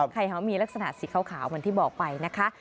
ไข่เขามีลักษณะสีขาวเหมือนที่บอกไปนะคะ